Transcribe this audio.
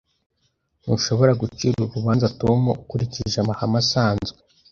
Ntushobora gucira urubanza Tom ukurikije amahame asanzwe.